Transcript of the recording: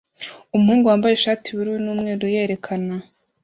Umuhungu wambaye ishati yubururu n'umweru yerekana